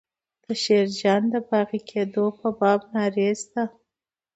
د شیرجان د یاغي کېدو په باب نارې شته.